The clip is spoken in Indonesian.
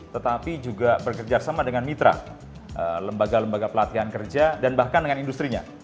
tetapi juga bekerjasama dengan mitra lembaga lembaga pelatihan kerja dan bahkan dengan industri nya